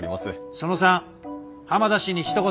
「その３浜田氏にひと言」。